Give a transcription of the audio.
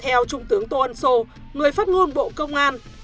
theo trung tướng tô ân sô người phát ngôn bộ công an